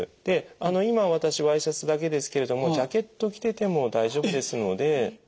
で今私ワイシャツだけですけれどもジャケット着てても大丈夫ですので。